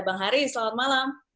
bang haris selamat malam